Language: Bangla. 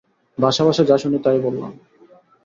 ভাসা-ভাসা যা শুনি তাই বললাম।